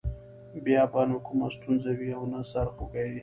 بیا به نه کومه ستونزه وي او نه سر خوږی.